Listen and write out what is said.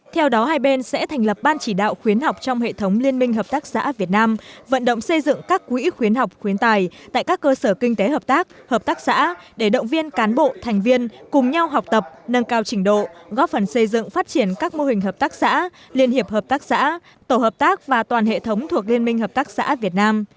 theo đó hai bên sẽ thành lập ban chỉ đạo khuyến học trong hệ thống liên minh hợp tác xã việt nam vận động xây dựng các quỹ khuyến học khuyến tài tại các cơ sở kinh tế hợp tác hợp tác xã để động viên cán bộ thành viên cùng nhau học tập nâng cao trình độ góp phần xây dựng phát triển các mô hình hợp tác xã liên hiệp hợp tác xã tổ hợp tác và toàn hệ thống thuộc liên minh hợp tác xã việt nam